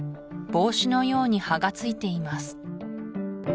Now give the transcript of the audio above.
帽子のように葉がついています